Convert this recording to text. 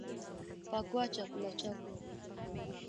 Pakuaa chakula chako